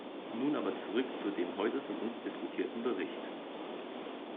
Nun aber zurück zu dem heute von uns diskutierten Bericht.